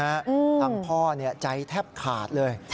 ทางพ่อใจแทบขาดเลย